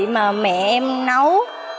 mà mẹ em nấu